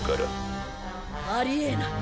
あり得ない。